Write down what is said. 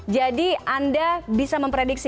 jadi anda bisa memprediksi